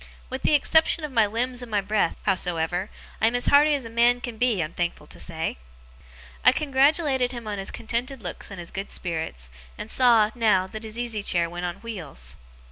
With the exception of my limbs and my breath, howsoever, I am as hearty as a man can be, I'm thankful to say.' I congratulated him on his contented looks and his good spirits, and saw, now, that his easy chair went on wheels.